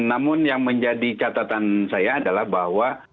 namun yang menjadi catatan saya adalah bahwa